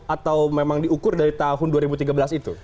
atau memang diukur dari tahun dua ribu tiga belas itu